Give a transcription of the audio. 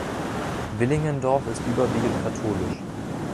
Villingendorf ist überwiegend katholisch.